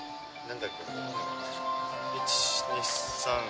１２３４。